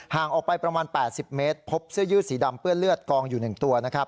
ห่างออกไปประมาณ๘๐เมตรพบเสื้อยู่สีดำเปื้อเลือดกองอยู่หนึ่งตัว